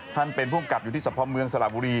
ท่านเป็นภูมิกับอยู่ที่สะพอเมืองสระบุรี